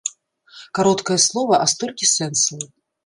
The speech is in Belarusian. Кароткае слова, а столькі сэнсаў.